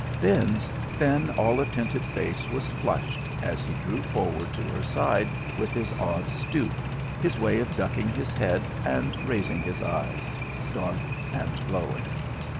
Ben's thin olive tinted face was flushed as he drew forward to her side with his odd stoop, his way of ducking his head and raising his eyes, dark and glowing.